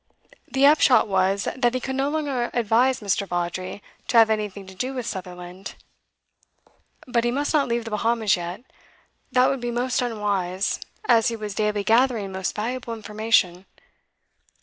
The upshot was that he could no longer advise Mr. Vawdrey to have anything to do with Sutherland. But he must not leave the Bahamas yet; that would be most unwise, as he was daily gathering most valuable information.